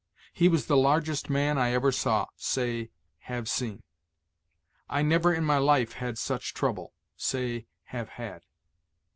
"He was the largest man I ever saw": say, have seen. "I never in my life had such trouble": say, have had.